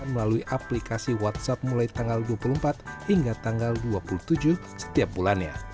melalui aplikasi whatsapp mulai tanggal dua puluh empat hingga tanggal dua puluh tujuh setiap bulannya